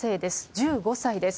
１５歳です。